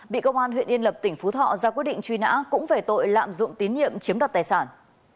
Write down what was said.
bị công an huyện yên lập tỉnh phú thọ ra quyết định truy nã cũng về tội lạm dụng tín nhiệm chiếm đoạt tài sản